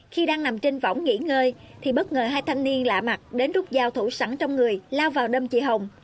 khi đang nằm trên vỏng nghỉ ngơi thì bất ngờ hai thanh niên lạ mặt đến rút dao thủ sẵn trong người lao vào đâm chị hồng